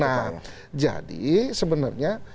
nah jadi sebenarnya